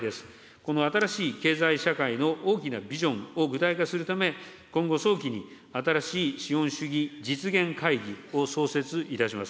この新しい経済社会の大きなビジョンを具体化するため、今後、早期に、新しい資本主義実現会議を創設いたします。